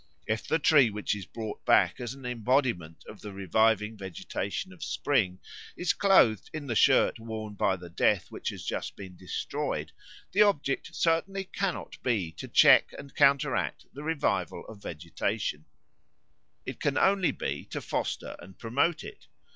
If the tree which is brought back as an embodiment of the reviving vegetation of spring is clothed in the shirt worn by the Death which has just been destroyed, the object certainly cannot be to check and counteract the revival of vegetation: it can only be to foster and promote it.